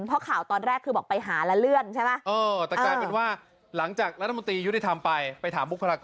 เพราะข่าวตอนแรกคือบอกไปหาแล้วเลื่อนใช่ไหม